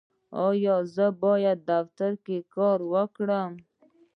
ایا زه باید په دفتر کې کار وکړم؟